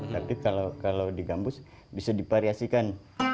tapi kalau di gambus bisa dipariasikan